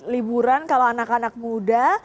liburan kalau anak anak muda